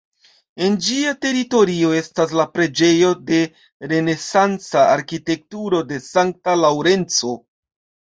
En ĝia teritorio estas la preĝejo de renesanca arkitekturo de sankta Laŭrenco.